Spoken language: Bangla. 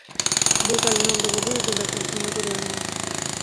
বৈকালে নন্দবাবুই একজন ডাক্তার সঙ্গে করিয়া আনিল।